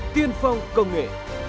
tiên phong công nghệ